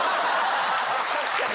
・確かに。